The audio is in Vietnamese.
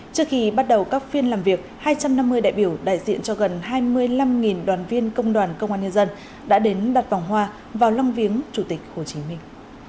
trước khi bắt đầu các phiên làm việc hai trăm năm mươi đại biểu đại diện cho gần hai mươi năm đoàn viên công đoàn công an nhân dân đã đến đặt vòng hoa vào lăng viếng chủ tịch hồ chí minh